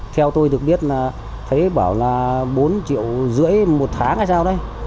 theo tôi được biết là thấy bảo là bốn triệu rưỡi một tháng hay sao đấy